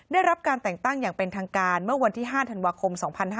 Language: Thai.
ได้รับการแต่งตั้งอย่างเป็นทางการเมื่อวันที่๕ธันวาคม๒๕๕๙